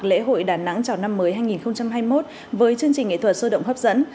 lễ hội đà nẵng chào năm mới hai nghìn hai mươi một với chương trình nghệ thuật sôi động hấp dẫn